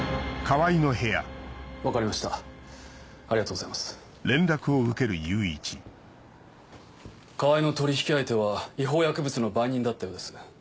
河合の取引相手は違法薬物の売人だったようです。